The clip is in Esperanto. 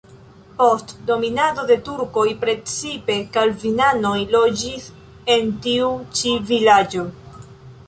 Post dominado de turkoj precipe kalvinanoj loĝis en tiu ĉi vilaĝo.